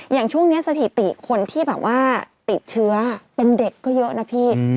อย่างช่วงนี้สถิติคนที่แบบว่าติดเชื้อเป็นเด็กก็เยอะนะพี่